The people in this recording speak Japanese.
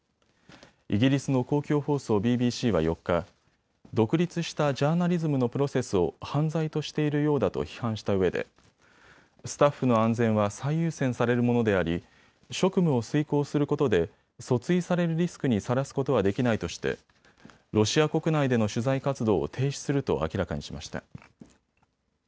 イギリスの公共放送ＢＢＣは４日、独立したジャーナリズムのプロセスを犯罪としているようだと批判したうえでスタッフの安全は最優先されるものであり職務を遂行することで訴追されるリスクにさらすことはできないとしてロシア国内での取材活動を停止すると明らかにしました。